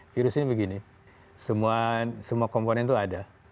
virus ini begini semua komponen itu ada